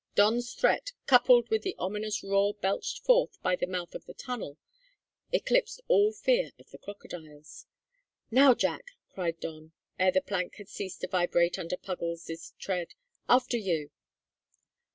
Doffs threat, coupled with the ominous uproar belched forth by the mouth of the tunnel, eclipsed all fear of the crocodiles. "Now, Jack," cried Don, ere the plank had ceased to vibrate under Puggles's tread, "after you."